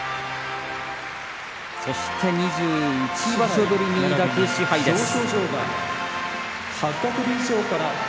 そして２１場所ぶりに抱く賜盃です。